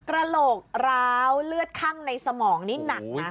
กระโหลกร้าวเลือดคั่งในสมองนี่หนักนะ